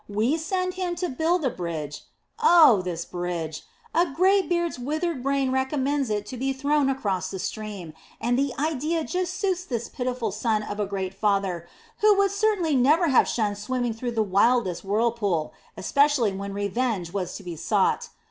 "We send him to build a bridge! Oh, this bridge! A grey beard's withered brain recommends it to be thrown across the stream, and the idea just suits this pitiful son of a great father, who would certainly never have shunned swimming through the wildest whirlpool, especially when revenge was to be sought.